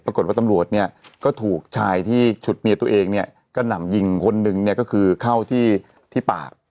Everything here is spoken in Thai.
ปรากฏว่าตำรวจเนี่ยก็ถูกชายที่ฉุดเมียตัวเองเนี่ยกระหน่ำยิงคนหนึ่งเนี่ยก็คือเข้าที่ปาก